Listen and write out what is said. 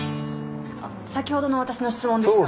あっ先ほどの私の質問ですが。